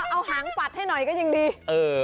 เอาหางปัดให้หน่อยก็ยังดีเออ